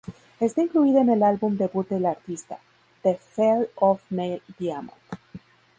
Está incluida en el álbum debut del artista, "The Feel of Neil Diamond".